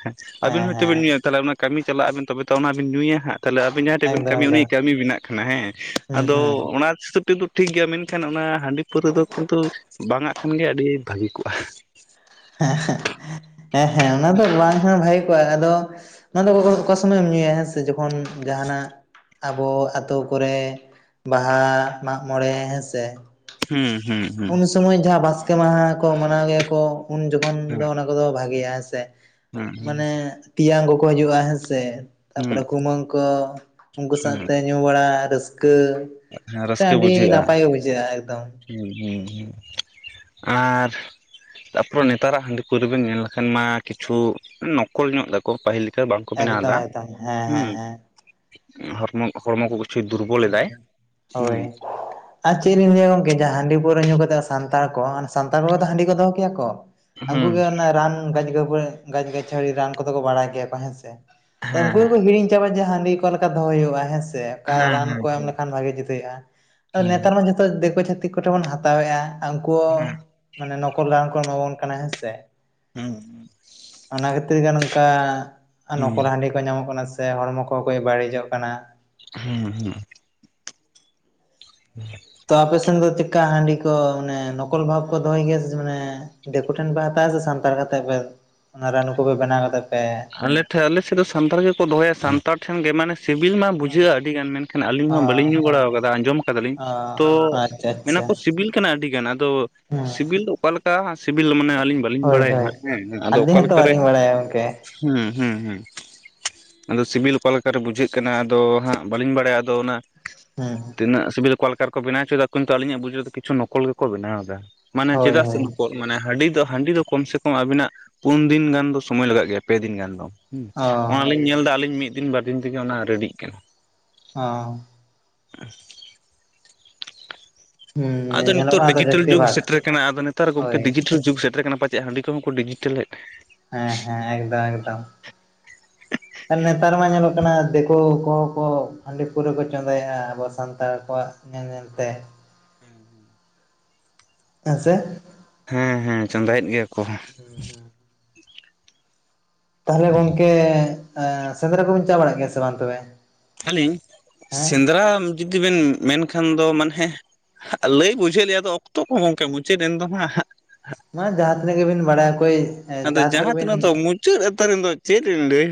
ᱟᱵᱤᱱ ᱦᱮᱸ ᱦᱚᱭᱵ ᱛᱚ ᱵᱤᱱ ᱦᱮᱸ ᱧᱩᱩᱭᱟ ᱛᱟᱦᱚᱞᱮ ᱚᱱᱟ ᱠᱟᱹᱢᱤ ᱪᱟᱞᱟᱜ ᱟᱵᱤᱱ ᱛᱚᱵᱮ ᱛᱚ ᱚᱱᱟᱵᱤᱱ ᱧᱩᱩᱭᱟ ᱦᱟᱸᱜ ᱛᱟᱦᱚᱞᱮ ᱟᱵᱮᱱ ᱡᱟᱦᱟᱸ ᱴᱷᱮᱱ ᱵᱮᱱ ᱮᱠᱫᱚᱢ ᱠᱟᱹᱢᱤᱭᱟ ᱩᱱ ᱮᱠᱫᱚᱢ ᱠᱟᱹᱢᱤ ᱵᱮᱱᱟᱜ ᱠᱟᱱᱟ ᱦᱮᱸ ᱦᱩᱸ ᱟᱫᱚ ᱦᱩᱸ ᱚᱱᱟ ᱦᱤᱥᱟᱹᱵ ᱛᱮᱫ ᱴᱷᱤᱠ ᱜᱮᱭᱟ ᱢᱮᱱᱠᱷᱟᱱ ᱚᱱᱟ ᱦᱟᱺᱰᱤ ᱯᱟᱹᱣᱨᱟᱹ ᱫᱚ ᱠᱤᱱᱛᱩ ᱵᱟᱝᱟᱜ ᱠᱷᱟᱱ ᱜᱮ ᱟᱹᱰᱤ ᱵᱷᱟᱹᱜᱤ ᱠᱚᱜᱼᱟ ᱦᱮᱸ ᱦᱮᱸ ᱦᱮᱸ ᱦᱮᱸ ᱚᱱᱟ ᱫᱚ ᱵᱟᱝ ᱦᱚᱸ ᱵᱷᱟᱜᱮ ᱠᱚᱜᱼᱟ ᱟᱫᱚ ᱚᱱᱟ ᱫᱚ ᱚᱠᱟ ᱥᱚᱢᱚᱭᱮᱢ ᱧᱩᱭᱟ ᱦᱮᱸ ᱥᱮ ᱛᱮ ᱡᱚᱠᱷᱚᱱ ᱡᱟᱦᱟᱸᱱᱟᱜ ᱟᱵᱚ ᱟᱹᱛᱳ ᱠᱚᱨᱮ ᱵᱟᱦᱟ ᱢᱟᱜ ᱢᱚᱬᱮ ᱦᱮᱸᱥᱮ ᱦᱩᱸ ᱦᱩᱸ ᱦᱩᱸ ᱩᱱ ᱥᱚᱢᱚᱭ ᱡᱟᱦᱟᱸ ᱵᱟᱥᱠᱮ ᱢᱟᱦᱟ ᱠᱚ ᱢᱟᱱᱟᱣ ᱜᱮᱭᱟ ᱠᱚ ᱩᱱ ᱡᱚᱠᱷᱚᱱ ᱦᱮᱸ ᱫᱚ ᱚᱱᱟ ᱠᱚᱫᱚ ᱵᱷᱟᱜᱮᱭᱟ ᱦᱮᱸ ᱥᱮ ᱦᱩᱸ ᱢᱟᱱᱮ ᱛᱮᱭᱟᱝ ᱠᱚᱠᱚ ᱦᱤᱡᱩᱜᱼᱟ ᱦᱮᱸ ᱥᱮ ᱦᱩᱸ ᱛᱟᱯᱚᱨᱮ ᱠᱩᱢᱟᱹᱝ ᱠᱚ ᱩᱱᱠᱩ ᱦᱩᱸ ᱥᱟᱶᱛᱮ ᱧᱩ ᱵᱟᱲᱟ ᱨᱟᱹᱥᱠᱟᱹ ᱦᱮᱸ ᱨᱟᱹᱥᱠᱟᱹ ᱟᱹᱰᱤ ᱵᱩᱡᱷᱟᱹᱜᱼᱟ ᱱᱟᱯᱟᱭ ᱵᱩᱡᱷᱟᱹᱟ ᱮᱠᱫᱚᱢ ᱦᱩᱸ ᱦᱩᱸ ᱦᱩᱸ ᱟᱨ ᱛᱟᱨᱯᱚᱨᱮ ᱱᱮᱛᱟᱨᱟᱜ ᱦᱟᱺᱰᱤ ᱯᱟᱹᱣᱨᱟᱹ ᱵᱮᱱ ᱧᱮᱞ ᱞᱮᱠᱷᱟᱱ ᱢᱟ ᱠᱤᱪᱷᱩ ᱱᱚ ᱠᱚᱞ ᱧᱚᱜ ᱫᱟᱠᱚ ᱯᱟᱹᱦᱤᱞ ᱞᱮᱠᱟ ᱵᱟᱝᱠᱚ ᱮᱠᱫᱚᱢ ᱵᱮᱱᱟᱣᱫᱟ ᱮᱠᱫᱚᱢ ᱦᱮᱸ ᱦᱩᱸ ᱦᱮᱸ ᱦᱮᱸ ᱦᱚᱲᱢᱚ ᱦᱚᱲᱢᱚ ᱠᱚ ᱠᱤᱪᱷᱩ ᱫᱩᱨᱵᱚᱞ ᱮᱟᱭ ᱦᱩᱸ ᱦᱩᱸ ᱦᱳᱭ ᱟᱨ ᱪᱮᱫ ᱞᱤᱧ ᱞᱟᱹᱭᱟ ᱜᱚᱝᱠᱮ ᱡ ᱦᱟᱺᱰᱤ ᱯᱟᱹᱣᱟᱹ ᱧᱩ ᱠᱟᱛᱮᱮᱫ ᱥᱟᱱᱛᱟᱲ ᱠᱚ ᱦ ᱥᱟᱱᱛᱟᱲ ᱠᱚ ᱫᱚ ᱦᱟᱺᱰᱤ ᱠᱚ ᱫᱚᱦᱚ ᱠᱮᱭᱟ ᱠᱚ ᱩᱱᱠᱩ ᱦᱩᱸ ᱜᱮ ᱚᱱᱟ ᱨᱟᱱᱪ ᱜᱟᱪ ᱜᱟᱪᱷᱟᱹᱲᱤ ᱨᱟᱱ ᱠᱚᱫᱚ ᱠᱚ ᱵᱟᱲᱟᱭ ᱜᱮᱭᱟ ᱠᱚ ᱦᱮᱸ ᱥᱮ ᱫᱚ ᱦᱮᱸ ᱩᱱᱠᱩ ᱜᱮᱠᱚ ᱦᱤᱲᱤᱧ ᱪᱟᱵᱟ ᱡᱮ ᱦᱟᱺᱰᱤ ᱚᱠᱟ ᱞᱮᱠᱟ ᱫᱚᱦᱚᱭ ᱦᱩᱭᱩᱜᱼᱟ ᱦᱮᱸ ᱥᱮ ᱚᱠᱟ ᱦᱮᱸ ᱨᱟᱱ ᱦᱮᱸ ᱠᱚ ᱮᱢ ᱞᱮᱠᱷᱟᱱ ᱵᱷᱟᱜᱤ ᱡᱩᱛ ᱦᱩᱭᱩᱜᱼᱟ ᱟᱫᱚ ᱦᱮᱸ ᱱᱮᱛᱟᱨ ᱢᱟ ᱡᱚᱛᱚ ᱫᱤᱠᱩ ᱪᱷᱟᱹᱤᱠ ᱠᱚ ᱴᱷᱮᱱ ᱵᱚᱱ ᱦᱟᱛᱟᱣᱮᱫᱼᱟ ᱩᱱᱠᱩ ᱦᱮᱸ ᱢᱟᱱᱮ ᱱᱚᱠᱚᱞ ᱨᱟᱱ ᱠᱚ ᱮᱢᱟᱵᱚᱱ ᱠᱟᱱᱟ ᱦᱮᱸ ᱥᱮ ᱦᱩᱸ ᱚᱱᱟ ᱠᱷᱟᱹᱛᱤᱨ ᱜᱮ ᱱᱚᱝᱠᱟ ᱦᱩᱸ ᱱᱚᱠᱚᱞ ᱦᱟᱺᱰᱤ ᱠᱚ ᱧᱟᱢᱚᱜ ᱠᱟᱱᱟ ᱥᱮ ᱦᱚᱲᱢᱚ ᱠᱚᱠᱚᱡ ᱵᱟᱹᱲᱤᱡᱚᱜ ᱠᱟᱱᱟ ᱦᱩᱸ ᱦᱩᱸ ᱦᱮ [UNINTELLIGIBLE] ᱛᱚ ᱟᱯᱮ ᱥᱮᱱ ᱫᱚ ᱪᱮᱫᱠᱟ ᱦᱟᱺᱰᱤ ᱠᱚ ᱢᱟᱱᱮ ᱱᱚᱠᱚᱞ ᱵᱷᱟᱵ ᱠᱚ ᱫᱚᱦᱚᱭ ᱜᱮᱭᱟ ᱢᱟᱱᱮ ᱫᱤᱠᱩ ᱴᱷᱮᱱ ᱯᱮ ᱦᱟᱛᱟᱣᱣᱟ ᱥᱮ ᱥᱟᱱᱛᱟᱲ ᱠᱟᱛᱮᱜ ᱯᱮ ᱚᱱᱟ ᱨᱟᱱᱩ ᱠᱚᱯᱮ ᱵᱮᱱᱟᱣ ᱠᱟᱛᱮᱜ ᱯᱮ ᱟᱞᱮ ᱴᱷ ᱟᱞᱮᱥᱮᱫ ᱫᱚ ᱥᱟᱱᱛᱟᱲ ᱜᱮᱠᱚ ᱫᱚᱦᱚᱭᱟ ᱥᱟᱱᱛᱟᱲ ᱴᱷᱮᱱ ᱜᱮ ᱢᱟᱱᱮ ᱥᱤᱵᱤᱞ ᱢᱟ ᱵᱩᱡᱷᱟᱹᱜ-ᱟ ᱟᱹᱰᱤᱜᱟᱱ ᱢᱮᱱᱠᱷᱟᱱ ᱟᱹᱞᱤᱧ ᱢᱟᱸ ᱵᱟᱹᱞᱤᱧ ᱚ ᱧᱩ ᱵᱟᱲ ᱠᱟᱫᱟ ᱟᱸᱡᱚᱢ ᱠᱟᱫᱟᱞᱤᱧ ᱚ ᱛᱚ ᱟᱪᱪᱷᱟ ᱟᱪᱪᱷᱟ ᱢᱮᱱᱟᱠᱚ ᱥᱤᱵᱤᱞ ᱠᱟᱱᱟ ᱟᱹᱰᱤ ᱜᱟᱱ ᱟᱫᱚ ᱦᱮᱸ ᱥᱤᱵᱤᱞ ᱫᱚ ᱚᱠᱟᱞᱮᱠᱟ ᱥᱤᱵᱤᱞ ᱢᱟᱱᱮ ᱟᱹᱞᱤᱧ ᱵᱟᱲᱟᱭ ᱵᱞᱤᱧ ᱵᱟᱲᱟᱭᱟ ᱦᱮᱸ ᱟᱫᱚ ᱚᱠᱟᱞᱠᱟᱨᱮ ᱦᱮᱸ ᱜᱚᱢᱠᱮ ᱦᱩᱸ ᱦᱩᱸ ᱦᱩᱸ ᱟᱫᱚ ᱥᱤᱵᱤᱞ ᱚᱠᱟᱞᱠᱟᱨᱮ ᱵᱩᱡᱷᱟᱹᱜ ᱠᱟᱱᱟ ᱟᱫᱚ ᱦᱟᱸᱜ ᱵᱟᱹᱞᱤᱧ ᱵᱟᱲᱟᱭᱟ ᱟᱫᱚ ᱚᱱᱟ ᱦᱮᱸ ᱦᱮᱸ ᱛᱤᱱᱟᱹᱜ ᱥᱤᱵᱤᱞ ᱚᱠᱟ ᱞᱮᱠᱟ ᱠᱚ ᱵᱮᱱᱟᱣ ᱥᱮᱵᱮᱞ ᱚᱠᱟᱞᱮᱠᱟᱨᱮᱠᱚ ᱵᱮᱱᱟᱳ ᱦᱚᱪᱚᱭᱮᱫᱟ ᱠᱤᱱᱛᱩ ᱟᱞᱤᱧᱟᱜ ᱵᱩᱡᱽ ᱨᱮᱫᱚ ᱠᱤᱪᱷᱩ ᱱᱚᱠᱚᱞ ᱜᱮᱠᱚ ᱵᱮᱱᱟᱣ ᱮᱫᱟ ᱢᱟᱱᱮ ᱦᱳᱭ ᱪᱮᱫᱟᱜ ᱥᱮ ᱦᱳᱭ ᱱᱚ ᱢᱟᱱᱮ ᱦᱟᱺᱰᱤ ᱫᱚ ᱦᱟᱺᱰᱤ ᱫᱚ ᱠᱚᱢ ᱥᱮ ᱠᱚᱢ ᱟᱵᱤᱱᱟᱜ ᱯᱩᱱ ᱫᱤᱱ ᱜᱟᱱ ᱫᱚ ᱥᱚᱢᱚᱭ ᱞᱟᱜᱟᱜ ᱜᱮᱭᱟ ᱯᱮ ᱫᱤᱱ ᱜᱟᱱ ᱫᱚ ᱚ ᱚᱱᱟᱞᱤᱧ ᱧᱮᱞ ᱮᱫᱟ ᱟᱞᱤᱧ ᱢᱤᱫ ᱫᱤᱱ ᱵᱟᱨ ᱫᱤᱱ ᱛᱮᱜᱮ ᱚᱱᱟ ᱨᱮᱰᱤᱜ ᱠᱟᱱᱟ ᱦᱚ ᱟᱨ [UNINTELLIGIBLE] ᱦᱩᱸ ᱟᱫᱚ ᱧᱮᱞᱚᱜ ᱱᱤᱛᱚᱜ ᱠᱟᱱᱟ ᱛᱚ ᱰᱤᱡᱤᱴᱮᱞ ᱡᱟᱹᱥᱛᱤ ᱡᱩᱜᱽ ᱵᱷᱟᱜᱽ ᱥᱮᱴᱮᱨ ᱟᱠᱟᱱᱟ ᱟᱫᱚ ᱱᱮᱛᱟᱨ ᱜᱚᱝᱠᱮ ᱦᱳᱭ ᱰᱤᱡᱤᱴᱮᱞ ᱡᱩᱜ ᱥᱮᱴᱮᱨ ᱟᱠᱟᱱᱟ ᱯᱟᱪᱮᱫ ᱦᱟᱺᱰᱤ ᱠᱚᱦᱚᱸ ᱠᱚ ᱰᱤᱡᱤᱴᱮᱞᱮᱫ ᱦᱮᱸ ᱦᱮᱸ ᱮᱠᱫᱚᱢ ᱮᱠᱫᱚᱢ ᱟᱨ ᱱᱮᱛᱟᱨ ᱢᱟ ᱧᱮᱞᱚᱜ ᱠᱟᱱᱟ ᱫᱤᱠᱩ ᱠᱚᱠᱚ ᱦᱟᱺᱰᱤ ᱯᱟᱹᱣᱨᱟᱹ ᱠᱚ ᱪᱚᱸᱫᱟᱭᱮᱫ-ᱟ ᱟᱵᱚ ᱥᱟᱱᱛᱟᱲ ᱠᱚᱣᱟᱜ ᱧᱮᱞ ᱧᱮᱞ ᱛᱮ ᱦᱮᱸ ᱥᱮ ᱦᱮᱸ ᱦᱮᱸ ᱪᱚᱸᱫᱟᱭᱮᱫ ᱜᱮᱭᱟ ᱠᱚ ᱦᱩᱸ ᱦᱩᱸ ᱛᱟᱦᱞᱮ ᱜᱚᱢᱠᱮ ᱥᱮᱸᱫᱽᱨᱟ ᱠᱚᱵᱮᱱ ᱪᱟ ᱵᱟᱲᱟᱜ ᱜᱮᱭᱟ ᱥᱮ ᱵᱟᱝ ᱛᱚᱵᱮ ᱟᱹᱞᱤᱧ ᱦᱮᱸ ᱥᱮᱸᱫᱽᱨᱟ ᱡᱩᱫᱤ ᱵᱮᱱ ᱢᱮᱱᱠᱷᱟᱱ ᱫᱚ ᱢᱟᱱᱮ ᱞᱟᱹᱭ ᱵᱩᱡᱷᱟᱹᱣ ᱞᱮᱭᱟ ᱟᱫᱚ ᱚᱠᱛᱚ ᱠᱚ ᱜᱚᱝᱠᱮ ᱢᱩᱪᱟᱹᱫ ᱮᱱ ᱫᱚ ᱦᱟᱸᱜ ᱢᱟ ᱡᱟᱦᱟᱸ ᱛᱤᱱᱟᱹᱜ ᱜᱮᱵᱤᱱ ᱵᱟᱲᱟᱭᱟ ᱚᱠᱚᱭ ᱡᱟᱦᱟᱸ ᱛᱤᱱᱟᱹᱜ ᱜᱮᱵᱤᱱ ᱪ ᱛᱟᱨ ᱪᱮᱫᱧᱞᱟᱭ